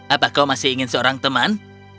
apa kau masih ingin seorang teman